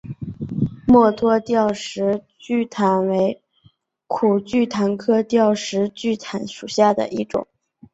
墨脱吊石苣苔为苦苣苔科吊石苣苔属下的一个种。